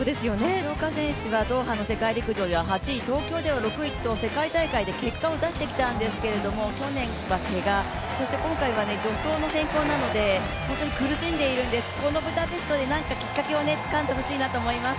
橋岡選手はドーハの世界陸上では８位東京では６位と世界大会で結果を出してきたんですけれども去年はけが、そして今回は、助走の変更などで本当に苦しんでいるんです、このブダペストで何かきっかけをつかんでほしいなと思います。